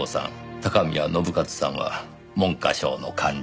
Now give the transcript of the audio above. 高宮信一さんは文科省の官僚。